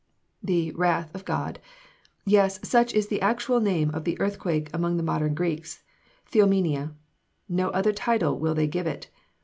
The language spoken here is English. The "Wrath of God!" Yes, such is the actual name of the earthquake among the modern Greeks Theomenia. No other title will they give it.